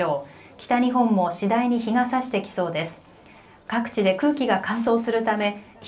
北日本も次第に日がさしてきそうです。